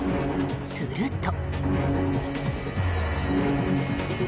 すると。